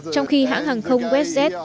trong khi hãng hàng không westjet